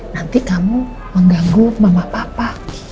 nanti kamu mengganggu mama papa